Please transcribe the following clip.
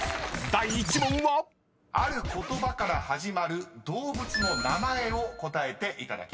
［第１問はある言葉から始まる動物の名前を答えていただきます］